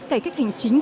cải cách hành chính